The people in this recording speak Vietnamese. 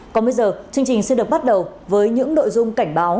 còn bây giờ chương trình xin được bắt đầu với những nội dung cảnh báo